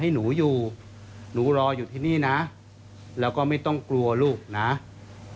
ไตรระจ่ายทำหนูได้นะลูกนะมาบอกข่าวเก่งว่าคุณแม่ญาติทุกคนนะลูกสู้เพื่อความเป็นธรรมให้หนูอยู่